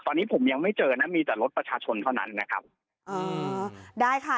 ตอนนี้ผมยังไม่เจอนะมีแต่รถประชาชนเท่านั้นนะครับอ่าได้ค่ะ